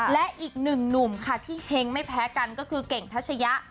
และอีกหนึ่งหนุ่มค่ะที่เฮงไม่แพ้กันก็คือเก่งทัชยะ